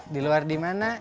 di luar di mana